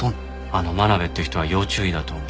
あの真鍋って人は要注意だと思う。